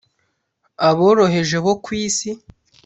aboroheje bo ku isi